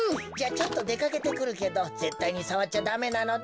ちょっとでかけてくるけどぜったいにさわっちゃダメなのだ。